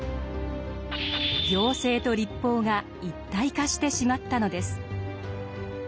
行政と立法が一体化してしまったのです。